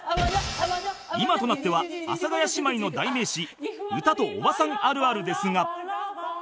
今となっては阿佐ヶ谷姉妹の代名詞歌とおばさんあるあるですが